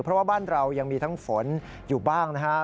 เพราะว่าบ้านเรายังมีทั้งฝนอยู่บ้างนะฮะ